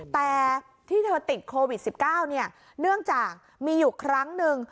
แต่ที่เธอติดโควิด๑๙เนื่องจากมีอยู่ครั้งหนึ่ง